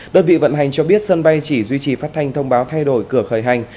đơn vị vận hành cho biết sân bay chỉ duy trì phát thanh thông báo thay đổi cửa khởi hành